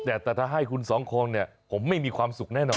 แต่ถ้าให้คุณสองคนเนี่ยผมไม่มีความสุขแน่นอน